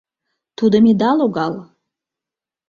Тудым ида логал.